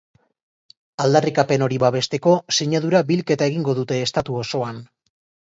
Aldarrikapen hori babesteko, sinadura bilketa egingo dute estatu osoan.